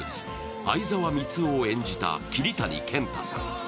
相沢光男を演じた桐谷健太さん。